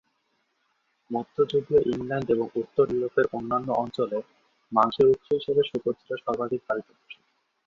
মধ্যযুগীয় ইংল্যান্ড এবং উত্তর ইউরোপের অন্যান্য অঞ্চলে মাংসের উৎস হিসেবে শূকর ছিল সর্বাধিক পালিত পশু।